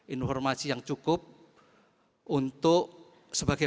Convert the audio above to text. informasi yang cukup untuk sebagai